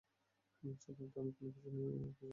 সাধারণত আমি কোনোকিছু নিয়ে খুশি হই না।